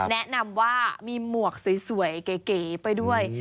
แนะนำว่ามีหมวกสวยเก๋ไปด้วย